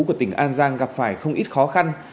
của tỉnh an giang gặp phải không ít khó khăn